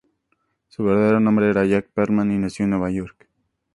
Su verdadero nombre era Jack Perlman, y nació en Nueva York.